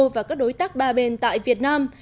và các đối tác ba bên tại việt nam